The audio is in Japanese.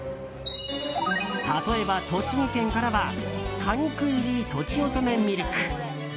例えば、栃木県からは果肉入りとちおとめミルク。